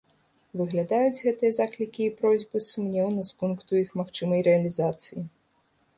Выглядаюць гэтыя заклікі і просьбы сумнеўна з пункту іх магчымай рэалізацыі.